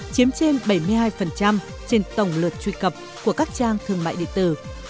chiếm trên bảy mươi hai trên tổng lượt truy cập của các trang thương mại điện tử